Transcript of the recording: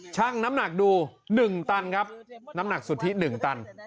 ช่างน้ำหนักดู๑ตันครับน้ำหนักสุทธิ๑ตัน